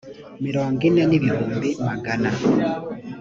mirongo ine n ibihumbi magana